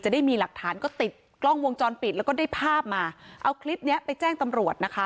ได้มีหลักฐานก็ติดกล้องวงจรปิดแล้วก็ได้ภาพมาเอาคลิปเนี้ยไปแจ้งตำรวจนะคะ